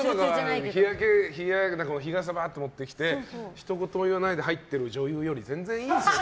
日傘とかばって持ってきてひと言も言わないで入ってる女優より全然いいですよ。